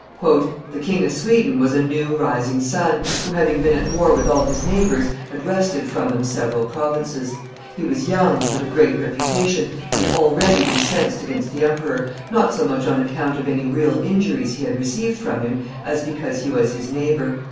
[Illustration: Gustavus Adolphus 282] "The King of Sweden was a new rising sun, who, having been at war with all his neighbors, had wrested from them several provinces; he was young, but of great reputation, and already incensed against the emperor, not so much on account of any real injuries he had received from him as because he was his neighbor.